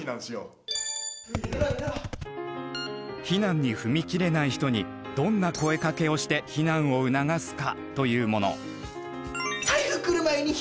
避難に踏み切れない人にどんな声かけをして避難を促すかというもの。